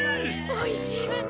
・・おいしいわね！